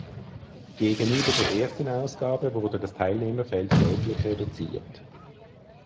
Gegenüber der ersten Ausgabe wurde das Teilnehmerfeld deutlich reduziert.